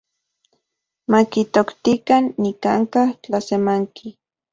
Makitoktikan nikanka’ tlasemanki.